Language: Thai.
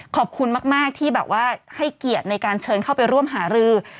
ขอบคุณมากที่แบบว่าให้เกียรติในการเชิญเข้าไปร่วมหารือ